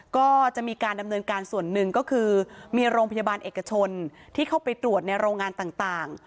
ก็จะมีการดำเนินการส่วนหนึ่งก็คือมีโรงพยาบาลเอกชนที่เข้าไปตรวจในโรงงานต่าง